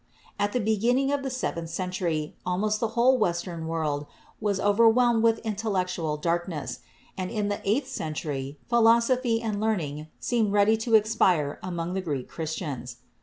At the beginning of the seventh century almost the whole Western world was overwhelmed with intellectual darkness, and in the eighth century philosophy and learn ing seemed ready to expire among the Greek Christians.